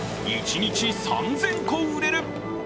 一日３０００個売れる。